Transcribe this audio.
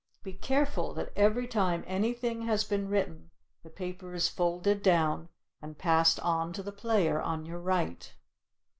Be careful that every time anything has been written the paper is folded down and passed on to the player on your right.